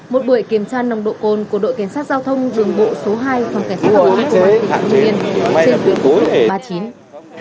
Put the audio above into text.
một buổi kiểm tra nồng độ cồn của đội cảnh sát giao thông đường bộ số hai